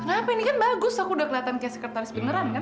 kenapa ini kan bagus aku sudah kelihatan sekretaris pemeran kan